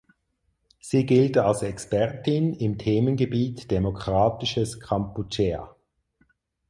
Sie gilt als Expertin im Themengebiet Demokratisches Kampuchea.